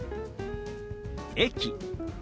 「駅」。